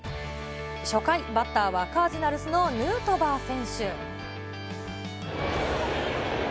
初回、バッターはカージナルスのヌートバー選手。